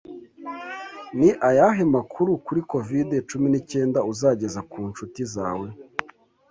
Ni ayahe makuru kuri covid cumi n'icyenda uzageza ku nshuti zawe?